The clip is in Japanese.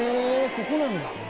ここなんだ。